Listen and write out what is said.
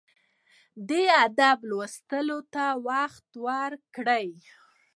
د ادب لوستلو ته وخت ورکړئ.